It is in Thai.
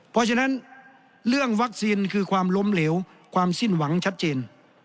เพราะฉะนั้นเรื่องวัคซีนคือความล้มเหลวความสิ้นหวังชัดเจน